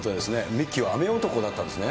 ミッキーは雨男だったんですね。